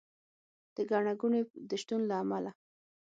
د ګڼه ګوڼې د شتون له امله